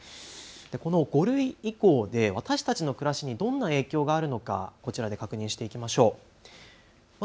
５類移行で私たちの暮らしにどんな影響があるのか、こちらで確認していきましょう。